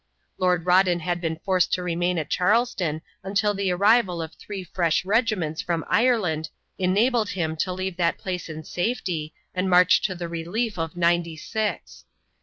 Lord Rawdon had been forced to remain at Charleston until the arrival of three fresh regiments from Ireland enabled him to leave that place in safety and march to the relief of Ninety six.